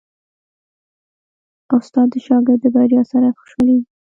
استاد د شاګرد د بریا سره خوشحالېږي.